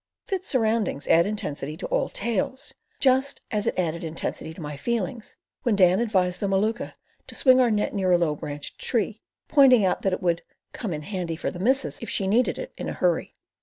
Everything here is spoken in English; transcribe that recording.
Fit surroundings add intensity to all tales, just as it added intensity to my feelings when Dan advised the Maluka to swing our net near a low branched tree, pointing out that it would "come in handy for the missus if she needed it in a hurry."